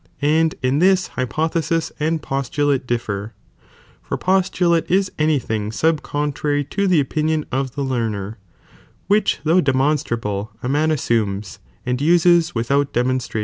And in this hypothesis and postulate differ, for postulate is any tiling sub contrary to the opinion of the learner, which though demonstrable a man assumes, and uses without demonstration, a.